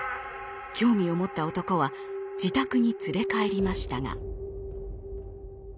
興味を持った男は自宅に連れ帰りましたが。